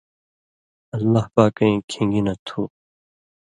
اللہ پاکَیں کھِن٘گی نہ تُھو۔